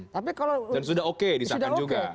dan sudah oke disatukan juga